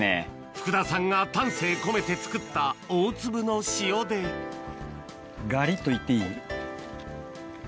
福田さんが丹精込めて作った大粒の塩でガリっといっていい？